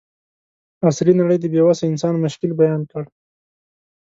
عصري نړۍ د بې وسه انسان مشکل بیان کړ.